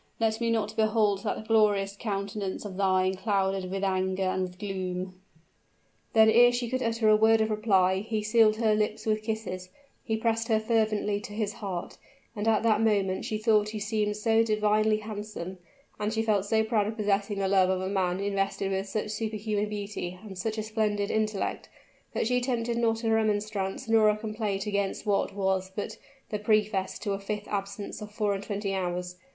let me not behold that glorious countenance of thine clouded with anger and with gloom!" Then ere she could utter a word of reply, he sealed her lips with kisses he pressed her fervently to his heart, and at that moment she thought he seemed so divinely handsome, and she felt so proud of possessing the love of a man invested with such superhuman beauty and such a splendid intellect, that she attempted not a remonstrance nor a complaint against what was but the preface to a fifth absence of four and twenty hours.